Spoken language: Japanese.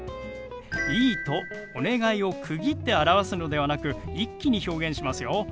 「いい」と「お願い」を区切って表すのではなく一気に表現しますよ。